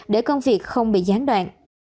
để công việc không bị gián đoạn